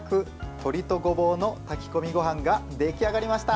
鶏とごぼうの炊き込みごはんが出来上がりました。